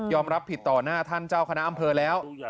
รับผิดต่อหน้าท่านเจ้าคณะอำเภอแล้ว